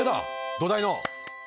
土台の！